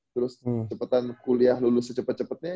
terus cepetan kuliah lulus secepet cepetnya